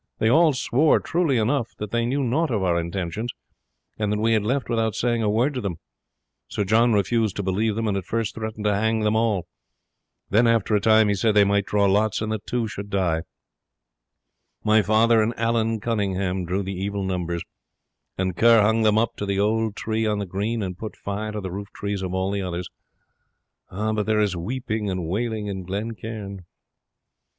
They all swore, truly enough, that they knew nought of our intentions, and that we had left without saying a word to them. Sir John refused to believe them, and at first threatened to hang them all. Then after a time he said they might draw lots, and that two should die. My father and Allan Cunninghame drew the evil numbers, and Kerr hung them up to the old tree on the green and put fire to the rooftrees of all the others. Ah! but there is weeping and wailing in Glen Cairn!"